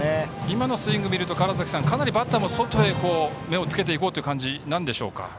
今のスイングを見ると川原崎さん、かなりバッターも外へ目をつけていこうという感じでしょうか。